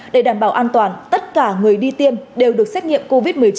để đảm bảo an toàn tất cả người đi tiêm đều được xét nghiệm covid một mươi chín